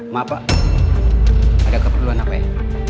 maaf pak ada keperluan apa ini